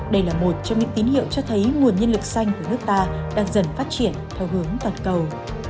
đây là một trong những tín hiệu cho thấy nguồn nhân lực xanh của nước ta đang dần phát triển theo hướng toàn cầu